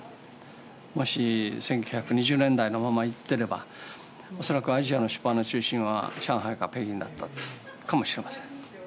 もし１９２０年代のままいってれば恐らくアジアの出版の中心は上海か北京だったかもしれません。